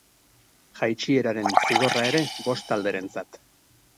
Jaitsieraren zigorra ere, bost talderentzat.